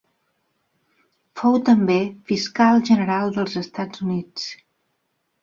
Fou també Fiscal General dels Estats Units.